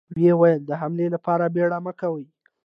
ويې ويل: د حملې له پاره بيړه مه کوئ!